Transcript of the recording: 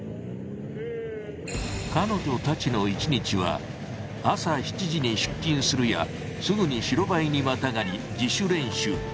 彼女たちの１日は朝７時に出勤するやすぐに白バイにまたがり自主練習。